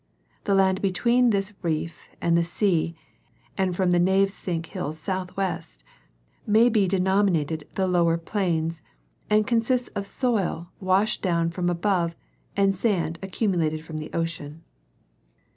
The land between this rief and the sea and from the Navesink hills southwest may be denominated the Lower Plains, and consists of soil washt down from above and sand accumulated from the ocean.